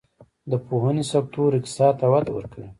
د پوهنې سکتور اقتصاد ته وده ورکوي